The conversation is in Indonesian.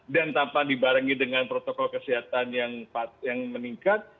tanpa dibarengi dengan protokol kesehatan yang meningkat